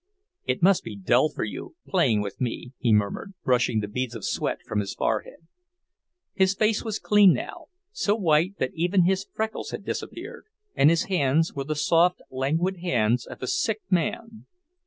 "It must be dull for you, playing with me," he murmured, brushing the beads of sweat from his forehead. His face was clean now, so white that even his freckles had disappeared, and his hands were the soft, languid hands of a sick man.